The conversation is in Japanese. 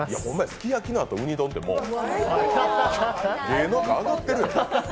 すき焼のあとウニ丼って芸能界、あがってるよ。